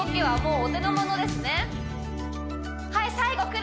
はい最後